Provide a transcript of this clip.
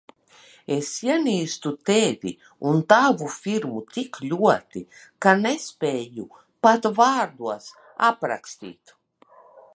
Es ienīstu Tevi un tavu firmu tik ļoti, ka nespēju pat vārdos aprakstīt.